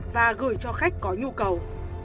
và gửi cho khách có nhu cầu